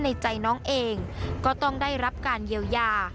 หรือมีคนทำร้ายแต่สิ่งที่น้องต้องได้รับตอนนี้คือการรักษารอยแผลที่เกิดขึ้น